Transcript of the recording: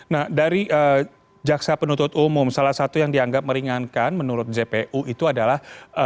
nah dari jaksa penuntut umum salah satu yang dianggap meringankan menurut jpu itu adalah